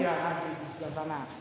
iya di sebelah sana